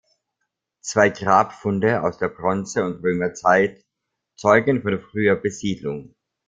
Zwei Grabfunde aus der Bronze- und Römerzeit zeugen von früher Besiedlung.